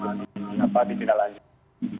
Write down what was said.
untuk apa ditindaklanjuti